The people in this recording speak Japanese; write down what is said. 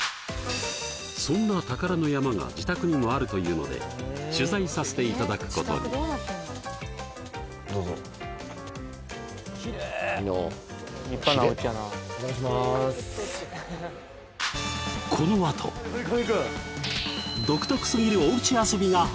そんな宝の山が自宅にもあるというので取材させていただくことにどうぞきれいこのあと何？